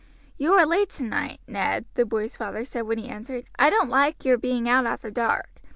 "You are late tonight, Ned," the boy's father said when he entered. "I don't like your being out after dark.